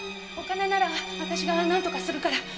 お金なら私がなんとかするから。